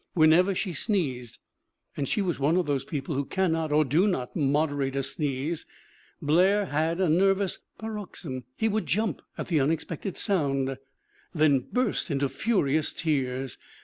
When ever she sneezed and she was one of those people who cannot, or do not, moderate a sneeze Blair had MARGARET DELAND 83 a nervous paroxysm. He would jump at the unex pected sound, then burst into furious tears.